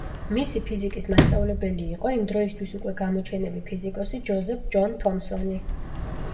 მისი ფიზიკის მასწავლებელი იყო იმდროისთვის უკვე გამოჩენილი ფიზიკოსი ჯოზეფ ჯონ თომსონი.